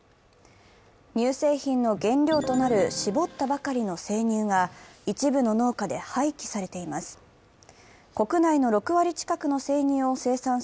乳製品の原料となる搾ったばかりの生乳が一部の農家で廃棄されています。